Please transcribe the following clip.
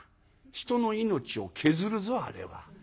人の命を削るぞあれは。